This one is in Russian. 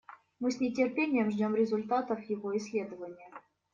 Мы с нетерпением ждем результатов его исследования.